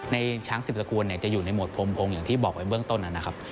ในช้าง๑๐ตระกูลจะอยู่ในหมวดพงอย่างที่บอกไว้เบื้องต้นนั้นนะครับ